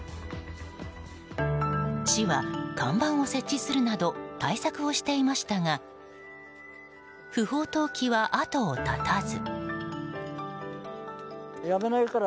市は、看板を設置するなど対策をしていましたが不法投棄は後を絶たず。